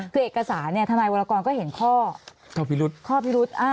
คือเอกสารเนี่ยทนายวรกรก็เห็นข้อพิรุษข้อพิรุษ